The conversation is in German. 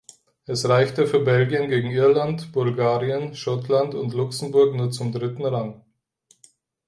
Es reichte für Belgien gegen Irland, Bulgarien, Schottland und Luxemburg nur zum dritten Rang.